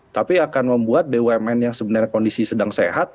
tapi akan membuat bumn yang sebenarnya kondisi sedang sehat